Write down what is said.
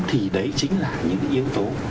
thì đấy chính là những yếu tố